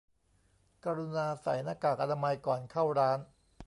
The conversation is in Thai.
กรุณาใส่หน้ากากอนามัยก่อนเข้าร้าน